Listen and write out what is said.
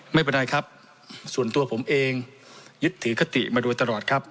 ไม่เป็นไรครับส่วนตัวผมเองยึดถือคติมาโดยตลอดครับ